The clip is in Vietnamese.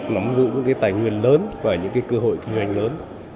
nắm giữ những tài nguyên lớn và những cơ hội kinh doanh lớn